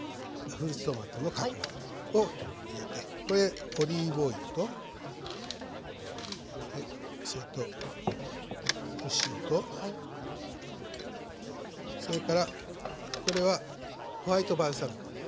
フルーツトマトの角切りを入れてオリーブオイルとそれとお塩とそれからこれはホワイトバルサミコです。